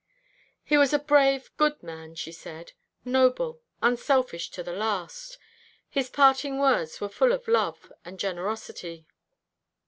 "He was a brave, good man," she said; "noble, unselfish to the last. His parting words were full of love and generosity.